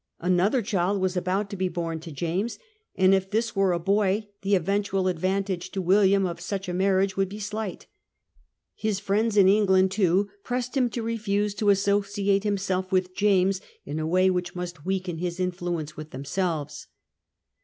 Another child was about to be bom to James, and, if this were a boy, the eventual advan tage to William of such a marriage would be slight ; his friends in England, too, pressed him to refuse to associate himself with James in a way which must weaken his influence with themselves.